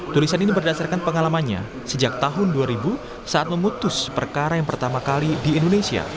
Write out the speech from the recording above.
tulisan ini berdasarkan pengalamannya sejak tahun dua ribu saat memutus perkara yang pertama kali di indonesia